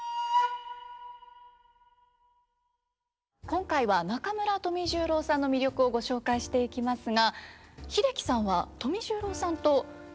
今回は中村富十郎さんの魅力をご紹介していきますが英樹さんは富十郎さんとご親交があったんですよね。